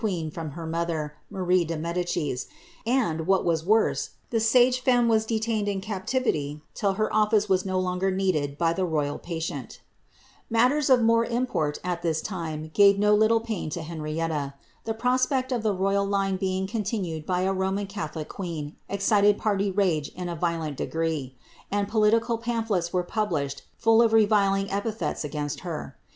queen from her mother, Marie de Medicis ; and, what was worse, Ih9 * sage femme was detained in captivity till her oflice was no longer needift i by the royal patient Matters of more import at this time gave no little pain to Henrkttl *' The prospect of the royal line being continued by a Roman catholic queen excited party rage in a violent degree, and political pampblil^ were published full of reviling epithets against her.